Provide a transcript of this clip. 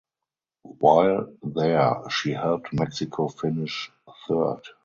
While there she helped Mexico finish third.